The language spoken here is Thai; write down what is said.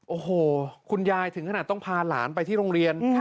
โอ้โหคุณยายถึงขนาดต้องพาหลานไปที่โรงเรียน